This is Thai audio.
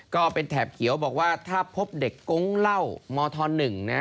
ก็เป็นแถบเขียวบอกว่าถ้าพบเด็กกงเหล้ามธ๑นะ